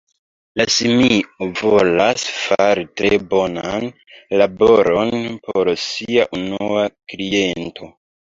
La simio volas fari tre bonan laboron por sia unua kliento.